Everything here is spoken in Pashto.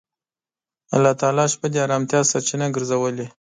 الله تعالی شپه د آرامتیا سرچینه ګرځولې.